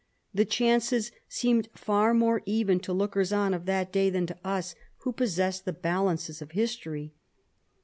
The chances seemed far more even to lookers on of that day than to us, who possess the balances THE CARDINAL 201 of history.